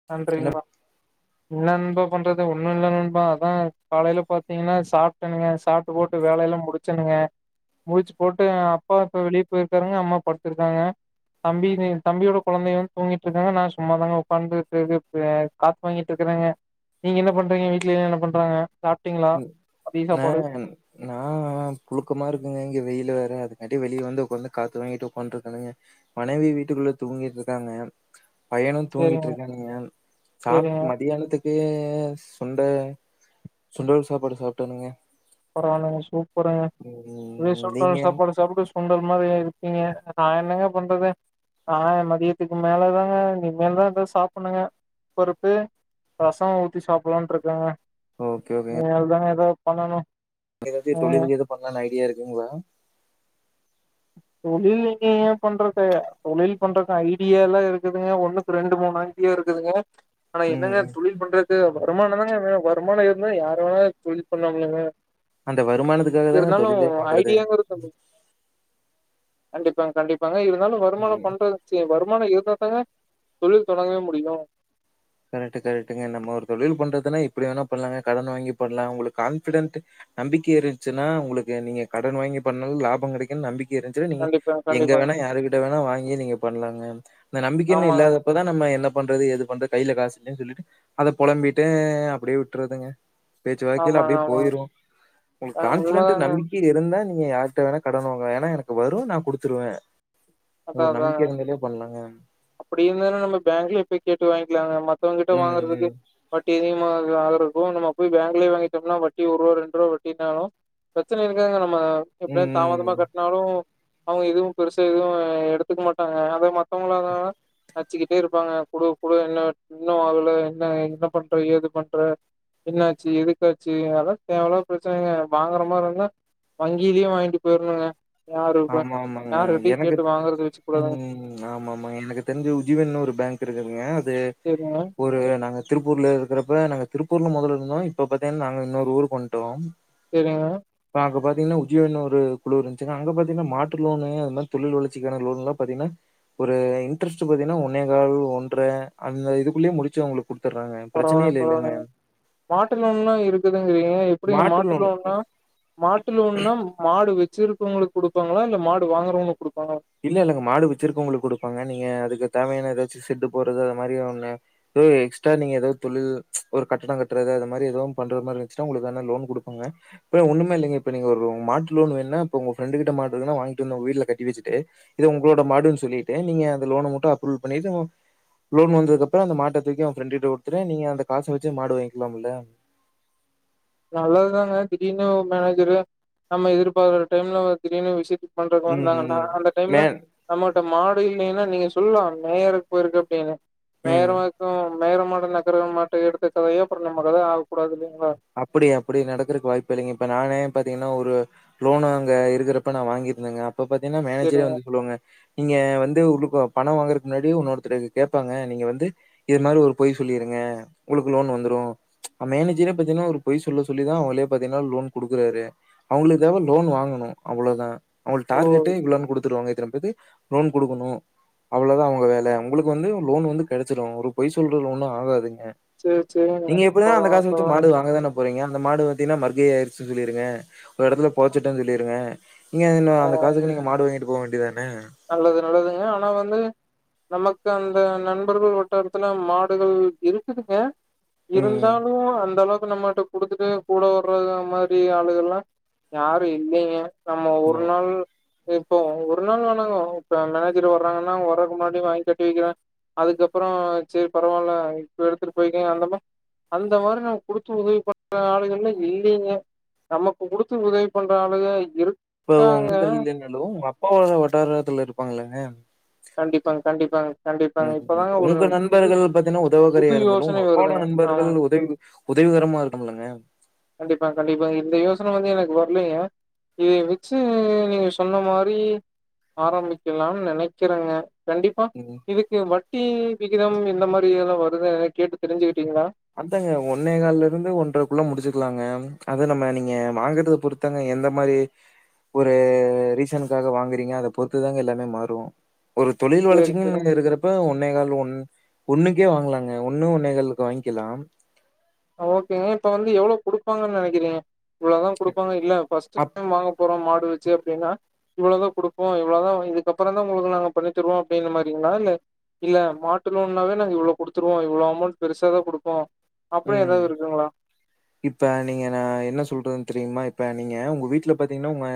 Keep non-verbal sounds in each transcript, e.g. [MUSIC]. [INAUDIBLE] என்ன நண்பா பண்றது ஒன்னு இல்ல நண்பா அதா காலைல பாத்தீங்கனா சாப்ட்டனுங்க சாப்ட்டு போட்டு வேலையெல்லா முடிச் ச்சனுங்க முடிச் போட்டு அப்பா இப்ப வெளியே போயிருக்காருங்க அம்மா படுத்திருக்காங்க தம்பிமே தம்பியோட கொழந்தைக வந்து தூங்கிட்ருக்காங்க நா சும்மாதாங்க உக்காந்து [UNINTELLIGIBLE] காத் வாங்கிட்ருக்கறங்க நீங்க என்ன பண்றீங்க வீட்லெல்லா என்ன பண்றாங்க சாப்ட்டிங்ளா மதிய ந சாப்பாடு நா ஆ புழுக்கமா இருக்குங்க இங்க வெயில வேற அதுக்காட்டி வெளியில வந்து உக்காந்து காத்து வாங்கிட் உக்காந்துருக்கனுங்க மனைவி வீட்டுக்குள்ள தூங்கிட்ருக்காங்க பையனு சேரிங்க தூங்கிட்ருக்கானுங்க சாப் சேரிங்க மதியானத்துக் க்கு சுண்ட சுண்டல் சாப்பாடு சாப்ட்டனுங்க பரவாலங்க சூப்பருங்க இதே ம் நீங்க சுண்டல் சாப்பாடு சாப்டு சுண்டல் மாரியே இருக்கீங்க நா என்னங்க பண்றது நா மதியத்துக்கு மேலதாங்க இனிமேல்தா எதோ சாப்புட்ணுங்க பருப்பு ரசோ ஊத்தி சாப்பட்லான்ட்ருக்கங்க ஓக்கே ஓகேங்க இனிமேதாங்க ஏதாவத் பண்ணணு எதாச்சியு ஆ தொழில் கீது பண்லான் ஐடியா இருக்குங்களா தொழில் எங்கேங்க பண்றது தொழில் பண்றதுக் ஐடியால்லா இருக்குதுங்க ஒன்னு ரெண்டு மூணு ஐடியா இருக்குதுங்க ஆனா ம் என்னங்க ம் தொழில் பண்றத் து வருமான தாங்க வேணு வருமான இருந்தா யார் வேணாலு தொழில் பண்லாமில்லங்க அந்த வருமானத்துக்காக தாங்க இருந்தாலு தொழிலே பண்றது ஐடியா [UNINTELLIGIBLE] கண்டிப்பாங்க கண்டிப்பாங்க இருந்தாலு ம் வருமானம் பண்றது வருமானம் இருந்தால் தாங்க தொழில் தொடங்கவே முடியு கரெக்ட்டு கரெக்ட்டுங்க நம்ம தொழில் பண்றதுன்னா எப்டி வேணா பண்லாங்க கடன் வாங்கி பண்லா உங்களுக்கு கான்ஃபிடெட் நம்பிக்க இருந்துச்சுன்னா உங்களுக்கு நீங்க கடன் வாங்கி பண்ணாலு லாப கெடைக்குன்னு நம்பிக் இருந்துச்சுனா நீங்க கண்டிப்பா எங்க கண்டிப்பாங்க வேணா யாருகிட்ட வேணா வாங்கி நீங்க பண்லாங்க அந்த நம்பிக்கைன்னு ஆமாங்க இல்லாத அப்பதா நம்ம என்ன பண்றது ஏது பண்றது கைய்ல காசு இல்லன்னு சொல்லிட்டு அத பொழம்பிட்டே அப்டியே விட்டறதுங்க பேச்சு வாக்கையில ஆமாங்க அப்டியே ஆமாங்க போயிரு அ உங்களுக்கு கான்பிடென்ட் உண்மதாங்க நம்பி இருந்தா நீங்க யாட்ட வேணா கடன் வாங்களா ஏன்னா எனக்கு வரு நா குடுத்துருவே ஒரு நம்பிக்க இருந்தாலயே பண்ணலாங்க அப்டி இருந்தா நம்ம பேங்க்லே போய் கேட்டு வாங்கிக்கலாங்க மத்தவங்க கிட்ட கேட்டு ம், வாங்கறதுக்கு ம். வட்டி அதிகமா ஆகருக்கு நம்ம போய் பேங்க்லயே வாங்கிட்டோம்னா வட்டி ஒர் ரூவா ரெண்டு ரூவா வட்டினாலு பிரச்சன இருக்காதுங்க நம்ம எப்டியா ம், தாமதமா ம். கட்டுனாலு அவங்க எதுவு பெருசா எதுவு எடுத்துக்க மாட்டாங்க அத மத்தவங்களா இருந்தாங்கன்னா நச்சுக்கிட்டே இருப்பாங்க குடு குடு என்ன இன்னு வர்ல என்ன என்ன பண்ற ஏது பண்ற என்னாச்சு எதுக்காச்சு அதெல்லா தேவ இல்லாத பிரச்சனைங்க வாங்குற மாரி இருந்தா வங்கியிலயு வாங்கிட்டு போயிருணுங்க யாரு ஆமா, ஆமாங்க. யாரு கிட்டயு கேட்டு வாங்கறது வெச்சுக்க கூடாதுங்க ஆமா ஆமா எனக்கு தெரிஞ்ச உஜிவன்னனு ஒரு பேங்க் இருக்குதுங்க அது சேரிங்க ஒரு நாங்க திருப்பூர்ல இருக்கிறப்ப நாங்க திருப்பூர்ல மொதல்ல இருந்தோ இப்ப பாத்தீங்கன்னா நாங்க இன்னொரு ஊருக்கு வண்ட்டோ சேரிங்க இப்ப அங்க பாத்தீங்கன்னா உஜ்ஜிவன்னு ஒரு குழு இருந்துச்சுங்க அங்க பாத் பாத்தீங்கன்னா மாட்டு லோனு அது மாரி தொழில் வளச்சிக்கான லோன்லல்ல பாத்தீங்கன்னா ஒரு இன்ட்ரெஸ்ட் பாத்தீங்கன்னா ஒன்னேகால் ஒன்ற அந்த இதுக்குள்ளயே முடிச்சு அவங்களுக்கு குடு பரவாயில்லிங் பரவாயில்லிங் மாட்டு லோன்லா இருக்குதுங்கிறீங்க எப்டிங்க மாட்டு லோன்னா மாட்டு லோன்னா மாடு வெச்சிருப்பவங்களுக்கு குடுப்பாங்களா இல்ல மாடு வாங்கறவங்களுக்கு குடுப்பாங்களா இல்ல இல்லங்க மாடு வெச்சிருக்கவங்களுக்கு குடுப்பாங்க நீங்க அதுக்கு தேவையான ஏதாச்சு செட்டு போட்து அது மாரி ஒண்ணு ஏதோ எஸ்ட்ரா நீங்க ஏதோ தொழில் ஒரு கட்டடோ கட்றது அது மாரி ஏதவு பண்ற மாரி இருந்துச்சுா உங்களுக்கு லோன் குடுப்பாங்க இப்ப ஒண்ணுமே இல்லங்க இப்ப நீங்க ஒரு மாட்டு லோன் வேணுன்னா இப்ப உங்க ஃபிரெண்டு கிட்ட மாடு இருங்குன்னா வாங்கிட்டு வந்து உங்க வீட்ல கட்டி வெச்சுட்டு இது உங்களோட மாடுன்னு சொல்லிட்டு நீங்க அந்த லோன மட்டு அப்ரூவல் பண்ணிட்டு லோன் வந்ததுக்கு அப்ற அந்த மாட்ட தூக்கு அவ ஃப்ரெண்டு கிட்ட குடுத்துடு நீங்க அந்த காச வெச்சு மாடு வாங்கிக்கலாம்ல நல்லதுதாங்க திடீர்னு மேனேஜரு நம்ம எதிர்பாரற டைம்ல திடீர்னு விசிட் பண்றக்கு ம் வந்தாங்கன்னா ம். அந்த டைம்ல மே நம்மிட்ட மாடு இல்லின்னா நீங்க சொல்லலா மேயருக்கு போயிருக்கு அப்டின்னு மேயர ம். வரைக்கு மேயர மாட்ட நக்கர மாட்ட எடுத்த கதையா அப்றோ நம்ம கத ஆகக்கூடாது இல்லிங்களா அப்டி அப்டி நடக்கதுக்கு வாய்ப்பே இல்லிங்க இப்ப நானே பாத்தீங்கன்னா ஒரு லோனு அங்க இருக்கிறப்ப நா வாங்கியிருந்தேங்க அப்ப பாத்தீங்கன்னா மேனேஜரே சரிங்க. வந்து சொல்லுவாங்க நீங்க வந்து உங்களுக்கு பணம் வாங்குறதுக்கு முன்னாடி ஒன்னொருத்தருக்கு கேப்பாங்க நீங்க வந்து இது மாரி ஒரு பொய் சொல்லிருங்க உங்களுக்கு லோன் வந்துரு மேனேஜரே பாத்தீன்னா ஒரு பொய் சொல்லிதா அவங்களே பாத்தீங்கன்னா லோன் குடுக்கறாரு அவங்களுக்கு தேவ லோன் வாங்கணு அவ்ளோதா அவங்களுக்கு ஓ! டார்கெட்டே இவ்ளோனு குடுத்துடுவாங்க இத்தன பேர் லோன் குடுக்கணு அவ்ளோதா அவங்க வேல உங்களுக்கு வந்து லோன் வந்து கெடச்சிரு ஒரு பொய் சொல்றதுல ஒன்னு ஆகாதுங்க சேர் சேரிங் பரவாயில்ல பரவாயில்ல ங்க தானே போறீங்க அந்த மாடு பாத்தீங்கன்னா மர்கயா ஆயிச்சுன்னு சொல்லிருங்க ஒரு எடத்துல போதச்சுட்டேன்னு சொல்லிருங்க நீங்க அதூ இன்னூ ஓ! அந்த காசுக்கு நீங்க மாடு வாங்கிட்டு போவ் வேண்டியத்தானே நல்லது நல்லதுங்க ஆனா வந்து நமக்கு அந்த நண்பர்கள் வட்டாரத்துல மாடுகள் இருக்குதுங்க ம் இருந்தாலூ அந்த அளவுக்கு நம்மிட்ட குடுத்துட்டு கூட வறது அந்மாரி ஆளுகள்ல்லா யாரூ இல்லிங்க நம்ம ந ஒரு நாள் இப்போ ஒரு நாள் வேணாங்க இப்ப மேனேஜர் வர்றாங்கன்னா வரக்கு முன்னாடி வாங்கி கட்டி வைக்கிறே அதுக்கப்புறம் சரி பரவாயில்ல இப்ப எடுத்துட்டு போயக்கங்க அந்தமா அந்தமாரி நமக் குடுத்து உதவி பன்ற ஆளுகள்லா இல்லிங்க நமக்கு குடுத்து உதவி பண்ற ‌ஆளுக இருக் இப்ப உங்க இதுல ‌இல்லனாலூ உங்க அப்பாவோட வட்டாரத்துல இருப்பாங்க ‌இல்லங்க கண்டிப்பாங் கண்டிப்பாங் ம் ம் உங்க நண்பர்கள் பாத்தீங்ன்னா உதவாகறையா புது இருந்தாலூ உங்க யோசனை அப்போட வருதுங்க ஆமா நண்பர்கள் உதவி உதவிகரமா இருக்கூ இல்லங்க கண்டிப்பா கண்டிப்பாங்க இந்த யோசனை வந்து எனக்கு வர்லீங்க இதை வெச்சு நீங்க சொன்ன மாறி ஆரம்பிக்கலாம்னு நெனைக்கிறேங்க கண்டிப்பா ம் இதுக்கு வட்டி விகிதம் இந்த மாறி எல்லா வருத ‌எதனா கேட்டு தெரிஞ்சுக்கிட்டீங்களா அத்தாங்க ஒன்னே கால்ல இருந்து ஒன்றைக்குள்ள முடிச்சுக்குலாங்க அத நம்ம நீங்க வாங்கறத பொறுத் த்தாங்க எந்த மாறி ஒரு ரீசனுக்காக வாங்குறீங்க அத பொறுத்து தாங்க எல்லாமே மாறூ ஒரு தொழில் சரி, வளர்ச்சிக்கு சரிங்க. இன்னக்கி இருக்கிறத் இப்ப ஒன்னே கால் ஒன் ஒன்னுக்கே வாங்கலாங்க ஒண்ணு ஒன்னே காலுக்கு வாங்கிக்கலா ஆ ஓகேங்க இப்ப வந்து எவ்ளோ குடுப்பாங்கன்னு நெனைக்கிறீங்க இவ்ளதா கொடுப்பாங்க இல்ல பஸ்ட் அப் டைம் வாங்க போறோ மாடு வித் ச்சு அப்டின்னா இவ்ளோ தா குடுப்போ இ்வளதா இதுக்கப்பறோ தா உங்களுக்கு நாங்க பண்ணி தருவோ அப்டின்னு மாறிங்களா இல்ல இல்ல மாட்டு லோன்னாவே நாங்க இவ்ளோ குடுத்துருவோ இவ்ளோ அமௌண்ட் பெருசா தா குடுப்போ அப்டியூ ம். ஏதாவது இருக்குங்லா இப்ப நீங்க நா என்ன சொல்றதுன்னு தெரியுமா இப்ப நீங்க உங்க வீட்ல பாத்தீங்ன்னா உங்க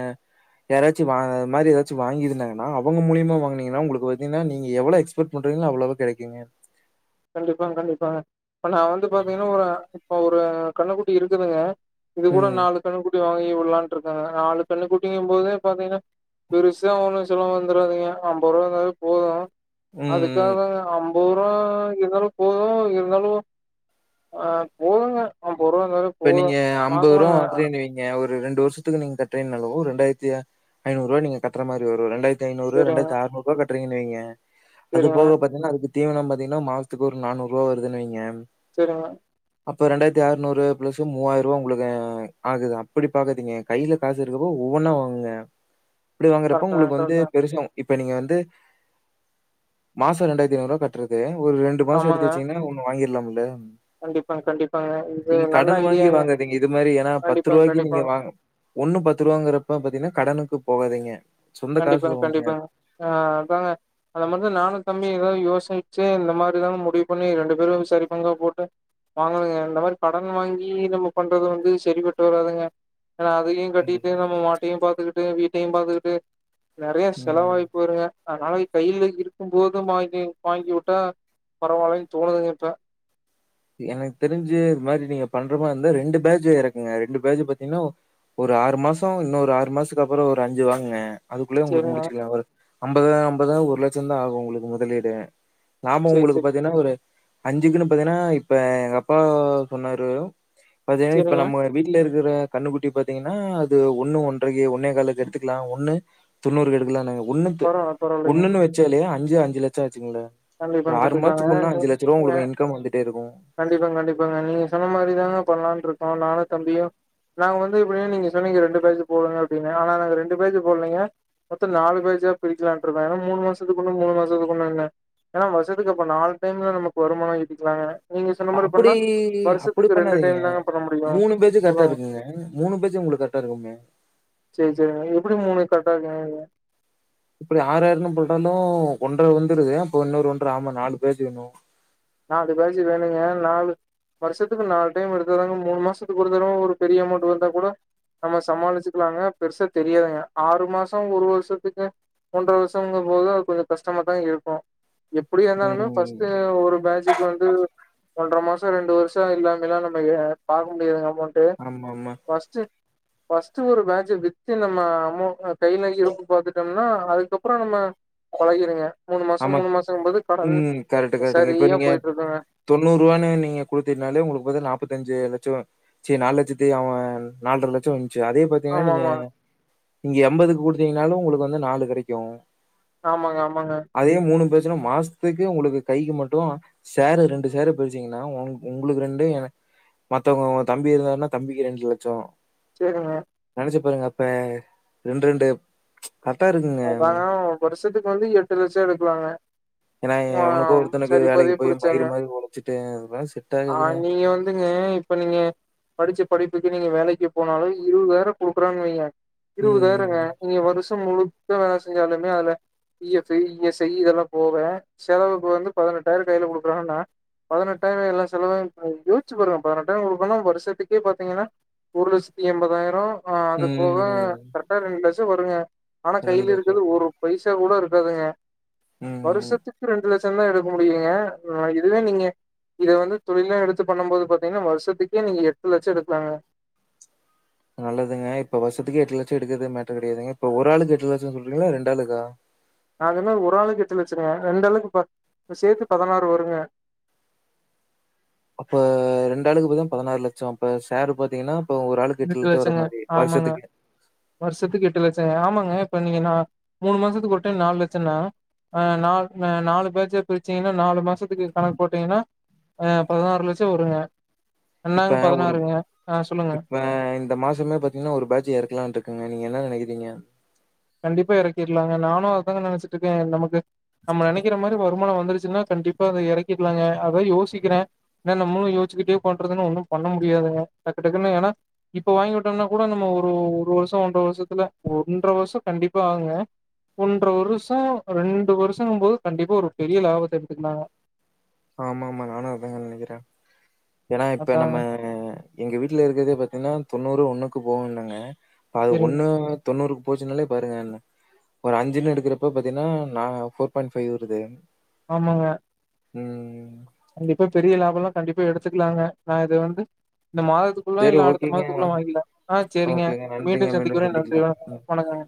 யாராச்சூ வாங்க இது மாறி ஏதாச்சூ வாங்கிருந்தாங்னா அவங்க மூலியமா வாங்கினீங்ன்னா உங்களுக்கு பாத்தீங்ன்னா நீங்க எவ்ளோ எக்ஸ்‌ பட் பண்றீங்ளோ அவ்ளவோ கிடைக்குங்க கண்டிப்பாங் கண்டிப்பாங்க இப்ப நா வந்து பாத்தீங்ன்னா ஒரு இப்ப ஒரு கண்ணுக்குட்டி இருக்குதுங்க இது கூட ம். நாலு கன்னுகுட்டி வாங்கி விடலான்ட் இருக்கோங்க நாலு கன்னுக் குட்டிங்க ம்போதே பாத்தீங்ன்னா பெருசா ஒன்னூ செலவு வந்துடாதுங்க அம்பதுரூவா இருந்தாலே போதும் ம். அதுக்காங்க அம்பது ரூபாய் இருந்தாலூ போதூ இருந்தாலூ ஆ போதுங்க அம்பது ரூபா இருந்தாலே இப்ப நீங்க போதும். ஆம்பது ரூபா பாக்கலாங்க. வாங்குறோன் வையூங்க ஒரு ரெண்டு வருஷத்துக்கு நீங்க கட்றேன்னாலூ ரெண்டாயிரத்தி ஐந்நூறு ரூபா நீங்க கட்ற மாறி வரூ ரெண்டாயிரத் த்தி ஐநூறு சரிங்க, ரெண்டாயித்து ஆற்நூறுபா கட்டறீங்கன்னு வைங்க அது சரிங்க, போக பாத்தீங்ன்னா அதுக்கு தீவனம் பாத்தீங்கன்னா மாசத்துக்கு ஒரு நானூறு ரூபா வருதுன்னு வைங்க செரிங்க அப்ப ரெண்டாயிரத்தி ஆற்நூறுப் பிளஸ் மூவாயிரம் ரூபா உங்களுக்கு ஆகுது அப்படி பாக்காதீங்க கையில காசு இருக்கறப்போ ஒவ்வொன்னா வாங்குங்க இப்டி வாங்குறப்ப கரெக்ட்டுங்க, உங்களுக்கு வந்து கரெக்ட்டுங்க. பெருசா இப்ப நீங்க வந்து மாசொ ரெண்டாயிரத்தி ஐநூறு ரூபா கட்டுறது ஒரு ரெண் ரெண்டு மாசோ எடுத்து வச்சீங்ன்னா ஒண்ணு வாங்கிர்லாம்ல கண்டிப் பா கண்டிப்பாங்க இது நல்ல கடன் வாங்கி ஐடியாங்க. வாங்காதீங்க இது மாறி ஏனா பத்து கண்டிப்பாங்க, ரூபாய்க்கு நீங்க கண்டிப்பாங்க. வாங்க ஒண்ணு பத்து ரூபாங்கறப்ப பாத்தீங்கன்னா கடனுக்கு போகாதீங்க சொந்த கண்டிப்பாங்க காசுல வாங்குங்க கண்டிப்பாங்க. ஆ அதா அந்த மாதிரிதா நானு தம்பி எதாவுது யோசிச்சு இந்த மாரி தா முடிவு பண்ணி ரெண்டு பேரு சரி பங்கா போட்டு வாங்கணுங்க இந்த மாறி கடன் வாங்கி நம்ம பண்றது வந்து செரிபட்டு வராதுங்க ஏனா அதையு ம். கட்டிட்டு நம்ம மாட்டையு பாத்துக்கிட்டு வீட்டையு பாத்துக்கிட்டு நெறைய ம். செலவாய் போய்ருங்க அதனால கையில இருக்கும்போது வாங்கி வாங்கி வுட்டா பரவாயில்ல தோணுதுங்க இப்ப எனக்கு தெரிஞ்சு இது மாறி நீங்க பண்றமா இருந்தா ரெண்டு பேஜ் எறக்குங்க ரெண்டு பேஜ் பாத்தீங்ன்னா ஒரு ஆறு மாசோ இன்னு ஒரு ஆறு மாசதுக்கு அப்றோ ஒரு அஞ்சு வாங்குங்க அதுக்குள்ளயே உங்களுக்கு சரிங்க. முடிச்சுக்குலா ஒரு அம்பது அம்பதுதா ஒரு லட்சோ தா ஆகு உங்களுக்கு முதலீடு நாம சரி, உங்களுக்கு சரி. பாத்தீன்னா ஒரு அஞ்சுக்குன்னு பாத்தீன்னா இப்ப எங்க அப்பா சொன்னாரு பாத்தீன்னா இப்ப சரிங்க. நம்ம வீட்ல இருக்கிற கண்ணு குட்டி பாத்தீங்ன்னா அது ஒன்னு ஒன்றைக்கு ஒன்னே காலுக்கு எடுத்துக்குலாம ஒன்னு தொண்ணூறுக்கு எடுக்குலான் ஒண்ணுக் பரவால்ல பரவால்லைங்க. ஒண்ணுன்னு வச்சாலயே அஞ்சு அஞ்சு லட்சோ ஆச்சுங்கள ஒரு கண்டிப்பாங்க ஆறு மாத்துக்கு ஒன்னா அஞ்சு லட்சரூபா உங்களுக்கு இன்கம் வந்துட்டே இருக்கு கண்டிபாங்க கண்டிபாங்க நீங்க சொன்ன மாரி தாங்க பண்லானுருக்கோ நானு தம்பியு நாங்க வந்து இப்டின்னு நீங்க சொன்னீங்க ரெண்டு பேஜ் போடுங்க அப்டின்னு ஆனா நாங்க ரெண்டு பேஜ் போடலீங்க மொத்த நாலு பேஜ்ஜா பிரிக்கலானுருக்கோ ஏனா மூணு மாசத்துக்கு ஒன்னு மூணு மாசத்துக்கு ஒன்னுன்னு ஏனா வருசத்துக்கு அப்ப நாலு டைம்ல நமக்கு வருமான ஈட்டுக்குளாங்க அப்டி அப்டி பண்ணாதீங்க டைம் தாங்க பண்ண முடியும். மூணு பேஜூ கரெக்டா சொல்லுங்க. இருக்குங்க மூணு பேஜு உங்களுக்கு கரெக்டா இருக்குங்க சேர் சேரிங்க எப்டி மூணு கரெக் டா இருக்குங்கிறீங்க இப்டி ஆறு ஆறுனு போட்டாலு ஒன்ற வந்துடுது அப்ப இன்னொரு ஒன்ற ஆமா நாலு பேஜு வேணு நாலு பேஜூ வேணுங்க நாலு வருஷோத்துக்கு நாலு டைம் எடுத்தாதாங்க மூணு மாசத்துக்கு ஒரு தடவ ஒரு பெரிய அமௌண்ட் வந்தா கூட நம்ம சமாளிச்சுக்கலாங்க பெருசா தெரியாதுங்க ஆறு மாசோ ஒரு வருஷத்துக்கு ஒன்ற வருஷோம்ங்க போது அது கொஞ்சோ கஷ்டமா தா இருக்கு எப்டி இருந்தாலுமே ம் ஃபர்ஸ்ட் ஒரு பேஜூக்கு வந்து ஒன்ற மாசோ ரெண்டு வருஷோ இல்லாமில்லா நம்ம பாக்க முடியாதுங்க அமௌண் ட்டு ஆமாமா ஆமா ஃபர்ஸ்டு ஃபர்ஸ்டு ஒரு பேஜூ வித்து நம்ம அமௌ கையில இருப்பு பாத்துட்டோம்னா அதுக்கப்றோ நம்ம கொழகிடுங்க மூணு மாசோ ஆமா. மூணு மாசோங்கு போது கடன் சரியா போயிட்டு இருக்குங்க தொண்ணூறு ரூவான்னு நீங்க குடுத்தீனாலே உங்களுக்கு பாத்தீன்னா நாப்பத்தஞ்சு லட்சோ செரி நாலுலட்சத்தி அவன் நால்ர லட்சம் வஞ்ச்சு அதே பாத் தீங்கன்ன ஆமா நீங்க ஆமா நீங்க எம்பதுக்கு குடுத்தீங்கனாலு உங்களுக்கு வந்து நாலு கெடைக்கு ஆமாங்க ஆமாங்க அதே மூணு போய்ச்னா மாசத்துக்கு உங்களுக்கு கைக்கு மட்டு ஷேரு ரெண்டு ஷேரூ பிருஙச்சீங்கன்னா உ உங்களுக்கு ரெண்டு எனக்கு மத்தவங்கங்க தம்பி இருந்தாருன்னா தம்பிக்கு ரெண்டு லட்சோ சேரிங்க நெனைச்சு பாருங்க அப்ப ரெண்டு ரெண்டு கரெக்டா இருக்குங் அ பாத்னா வருஷோத்துக்கு வந்து எட்டு லட்சோ எடுக்குளாங்க ஏன்னா ஆ எவனுக்கோ ஒருத்தனுக்கு சேரி வேலைக்கு இப்போதைக்கு போய் பிரிச்சாங்க மயிரு மாரி ஒழச்சுட்டு அதெல்லா செட் ஆ ஆகாதுங்க. நீங்க வந்துங்க இப்ப நீங்க படிச்ச படிப்புக்கு நீங்க வேலைக்கு போனாலு இருவதாயிரம் குடுக்குறான்னு வைங்க இருவதாயிரங்க ம். நீங்க வருஷம் முழுக்க வேல செஞ்சாலுமே அதுல P F E S I இதெல்லா போவ செலவு வந்து பதினெட்டாயிரோ கையில குடுக்கறாங்கன்னா பதினெட்டாயிரம் எல்லா செலவையு இப்ப யோசிச்சு பாருங்க பதினெட்டாயிரம் உங்களுகுன்னா வருஷத்துக்கே பாத்தீங்கன்னா ஒரு லட்சத்தி எம்பதாயிரோ ஆ அது போக ம். கரெக்டா ரெண்டு லட்சம் வருங்க ஆனா கைல இருக்கறது ஒரு பைசா கூட இருக்காதுங்க ம். வருஷத்துக்கு ரெண்டு லட் சந்தா இருக்க முடியுங்க நாளக்கி இதுவே நீங்க இத வந்து தொழிலா எடுத்து பண்ணம் போது பாத்தீங்கன்னா வருஷத்துக்கே நீங்க எட்டு லட்ச எடுக்கலாங்க நல்லதுங்க இப்ப வருசத்துக்கு எட்டு லட்சம் எடுக்கறது மேட்டரு கிடையாதுங்க இப்ப ஒரு ஆளுக்கு எட்டு லட்சம் சொல்றீங்களா ரெண்டு ஆளுக்கா நா சொன்னது ஒரு ஆளுக்கு எட்டு லட்சங்க ரெண்டு ஆளுக்கு பத் சேத்து பதனாறு வருங்க அப்ப ரெண்டு ஆளுக்கு பாதீனா பதினாறு லட்சம் அப்ப ஷேரு பாத்தீங்கன்னா இப்போ ஒரு ஆளுக்கு எட்டு லட்ச வர லட்சங்க மாரி ஆமாங்க வருஷத்துக்கே வருஷத்துக்கு எட்டு லட்சங்க ஆமாங்க இப்ப நீங்க நா மூணு மாசத்துக்கு ஒரு டைம் நாலு லட்சம்னா அ நால் அ நாலு பேஜா பிரிச்சீங்கன்னா நாலு மாசத்துக்கு கணக்கு போட்டீங்ன்னா அ பதினாறு லட்சம் வருங்க இப்ப என்னாங்க ஒரு பதினாறுங்க ஆ சொல்லுங்க இப் ப இந்த மாசமே பாத்தீங்கன்னா ஒரு பேட்ச் ஏறக்கலான்னு இருக்கங்க நீங்க என்ன நெனைக்கறீங்க கண்டிப்பா இறக்கிட்லாங்க நானு அததாங்க நினைச்சிட்டு இருக்கே நமக்கு நம்ம நெனைக்கிற மாறி வருமானம் வந்துருச்சுன்னா கண்டிப்பா அதை இறக்கிட்லாங்க அத்தா யோசிக்கிறே என்ன நம்மளும் யோசச்சிக்கிட்டே உக்காண்டு இருந்தம்ன்னா ஒன்னும் பண்ண முடியாதுங்க டக்கு டக்குன்னு ஏன்னா இப்ப வாங்கி விட்டம்னா கூட நம்ம ஒரு ஒரு வருஷம் ஒன்ரை வருஷத்துல ஒன்ரை வருஷம் கண்டிப்பா ஆகுங்க ஒன்ரை வருஷம் ரெண்டு வருஷங்கபோது கண்டிப்பா ஒரு பெரிய லாபத்தை எடுத்துக்களாங்க ஆமா ஆமாங்க நானு அத்தாங்க நெனைக்கிறே ஏன்னா இப்ப அதாங்க. நம்ம எங்க வீட்ல இருக்கறதே பாத்தீங்கன்னா தொண்ணூறு ஒண்ணுக்கு போகுல்லங்க அது சரிங்க. ஒண்ணா வளத் தொண்ணூறுக்கு போச்சுன்னாலே பாருங்க என்ன ஒரு அஞ்சுன்னு எடுக்கிறப்ப பாத்தீங்கன்னா நா ஃபோர் பாயிண்ட் ஃபைவ் வருது ஆமாங்க ம் ம் கண்டிப்பா பெரிய லாபோ எல்லா கண்டிப்பா எடுத்துக்கலாங்க நா இது வந்து இந்த மாதத் துகுள்ள சரி, இல்ல அடுத்த ஓகேங்க. மாசத்துக்குள்ள வாங்கிட்லாம் ஆ சேரிங்க ஓகேங்க. நன்றிங்க. மீண்டும் சந்திக்கிறே நன்றி சந்திக்கலாம். ம். வணக்கங்க வணக்கங்க